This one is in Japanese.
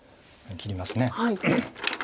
切ります。